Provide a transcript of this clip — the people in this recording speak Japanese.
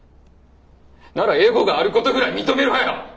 ならエゴがあることぐらい認めろよ！